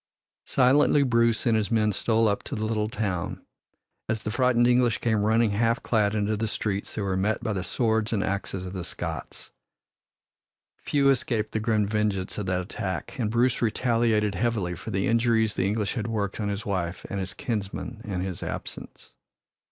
Silently Bruce and his men stole up to the little town. As the frightened English came running half clad into the streets they were met by the swords and axes of the Scots. Few escaped the grim vengeance of that attack, and Bruce retaliated heavily for the injuries the English had worked on his wife and his kinsmen in his absence.